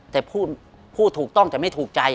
แต่พูดถูกต้องแต่ไม่ถูกใจ